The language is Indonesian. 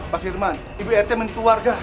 pak firman ibu rt menipu warga